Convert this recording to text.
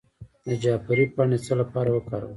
د جعفری پاڼې د څه لپاره وکاروم؟